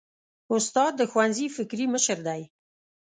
استاد د ښوونځي فکري مشر دی.